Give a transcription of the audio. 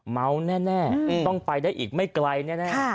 เมาแน่ต้องไปได้อีกไม่ไกลแน่